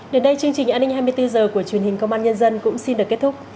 đến đây chương trình an ninh hai mươi bốn h của truyền hình công an nhân dân cũng xin được kết thúc